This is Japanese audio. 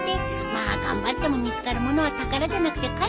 まあ頑張っても見つかるものは宝じゃなくて貝なんだけどね。